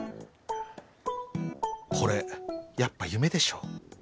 これやっぱ夢でしょ？